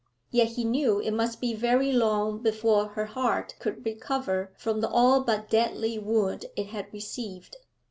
Yet he knew it must be very long before her heart could recover from the all but deadly wound it had received.